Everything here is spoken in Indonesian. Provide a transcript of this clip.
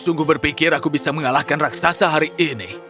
aku berpikir bahwa aku bisa mengalahkan raksasa hari ini